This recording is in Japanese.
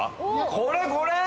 これこれ！